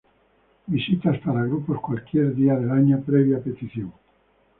Visitas para grupos cualquier día del año previa petición.